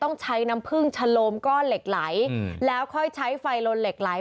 ต้องใช้น้ำผึ้งชะโลมก้อนเหล็กไหลแล้วค่อยใช้ไฟลนเหล็กไหล